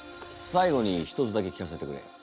最後に一つだけ聞かせてくれ。